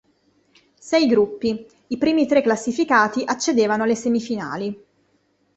Sei gruppi i primi tre classificati accedevano alle semifinali.